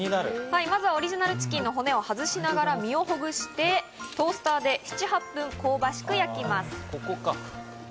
まずオリジナルチキンの骨を外して、身をほぐしてトースターで７８分、焼きます。